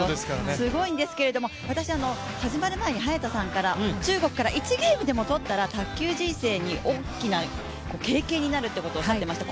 すごいんですけれども、始まる前に早田さんから中国から１ゲームでも取ったら卓球人生に大きな経験になるってことをおっしゃってました。